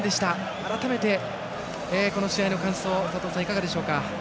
改めて、この試合の感想佐藤さん、いかがでしょうか？